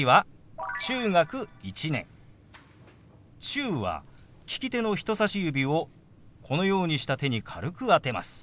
「中」は利き手の人さし指をこのようにした手に軽く当てます。